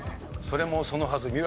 それもそのはず